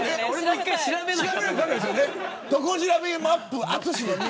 １回調べないと。